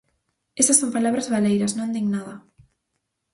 Esas son palabras baleiras, non din nada.